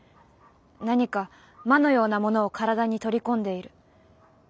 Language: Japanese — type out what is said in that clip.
何か魔のようなものを体に取り込んでいる。